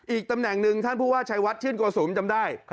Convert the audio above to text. อีกตำแหน่งหนึ่งท่านผู้ว่าชัยวัดชื่นโกสุมจำได้